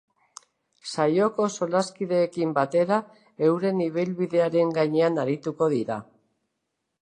Saioko solaskideekin batera euren ibilbidearen gainean arituko dira.